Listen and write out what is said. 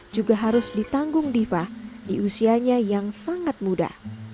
juga harus ditanggung diva di usianya yang sangat muda